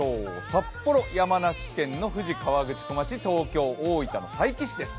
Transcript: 札幌、山梨県の富士河口湖町、東京、大分佐伯市です。